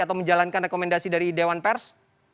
atau menjalankan rekomendasi dari dewan pers